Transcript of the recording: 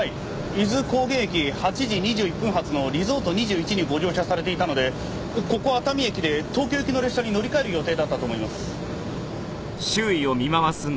伊豆高原駅８時２１分発のリゾート２１にご乗車されていたのでここ熱海駅で東京行きの列車に乗り換える予定だったと思います。